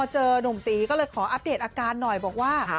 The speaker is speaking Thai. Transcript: หนุ่มตีก็เลยขออัปเดตอาการหน่อยบอกว่า